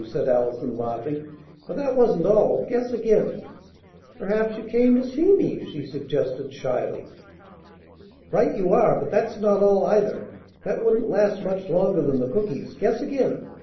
said Allison, laughing. "But that wasn't all. Guess again." "Perhaps you came to see me," she suggested shyly. "Right you are! But that's not all, either. That wouldn't last much longer than the cookies. Guess again."